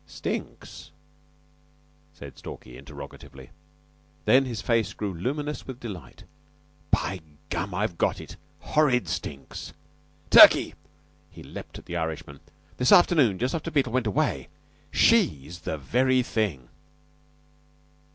"Stinks?" said Stalky interrogatively. Then his face grew luminous with delight. "By gum! I've got it. Horrid stinks! Turkey!" He leaped at the Irishman. "This afternoon just after Beetle went away! She's the very thing!"